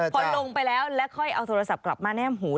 พอลงไปแล้วแล้วค่อยเอาโทรศัพท์กลับมาแน่มหู